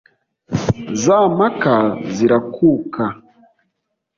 Za mpaka zirakuka